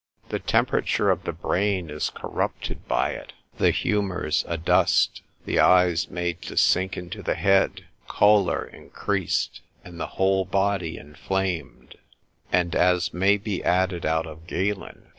The temperature of the brain is corrupted by it, the humours adust, the eyes made to sink into the head, choler increased, and the whole body inflamed: and, as may be added out of Galen, 3.